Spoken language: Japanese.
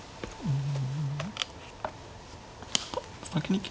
うん。